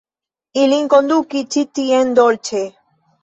Ilin konduki ĉi tien dolĉe.